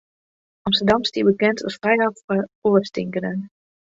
Amsterdam stie bekend as frijhaven foar oarstinkenden.